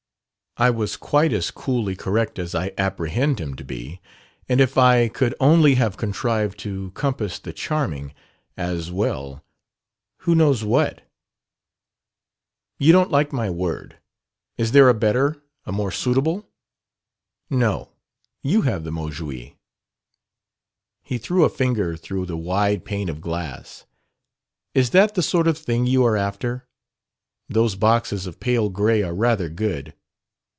"I was quite as coolly correct as I apprehend him to be; and if I could only have contrived to compass the charming, as well, who knows what ?" "You don't like my word. Is there a better, a more suitable?" "No. You have the mot juste." He threw a finger through the wide pane of glass. "Is that the sort of thing you are after? Those boxes of pale gray are rather good."